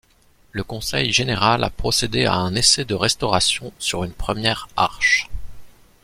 Le Conseil général a procédé à un essai de restauration sur une première arche.